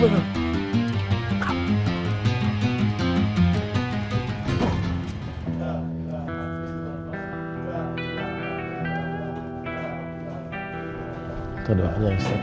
tidak ada apa apa ya ustaz